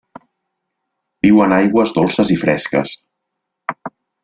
Viu en aigües dolces i fresques.